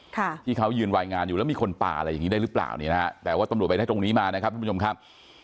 ค่ะที่เขายืนวายงานอยู่แล้วมีคนป่าอะไรอย่างงี้ได้หรือเปล่าเนี่ยนะฮะแต่ว่าตำรวจไปได้ตรงนี้มานะครับทุกผู้ชมครับ